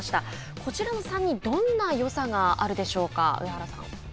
こちらの３人どんなよさがあるでしょうか。